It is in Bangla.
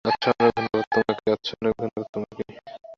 আচ্ছা, অনেক ধন্যবাদ তোমাকে।